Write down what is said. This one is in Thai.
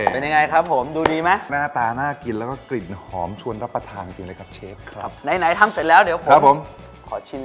เป็นยังไงครับผมดูดีไหมหน้าตาน่ากินแล้วก็กลิ่นหอมชวนรับประทานจริงเลยครับเชฟครับไหนทำเสร็จแล้วเดี๋ยวผมครับผมขอชิม